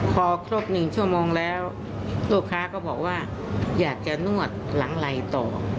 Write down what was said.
พอครบ๑ชั่วโมงแล้วลูกค้าก็บอกว่าอยากจะนวดหลังไหล่ต่อ